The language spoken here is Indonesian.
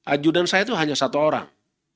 aju dan saya itu hanya satu orang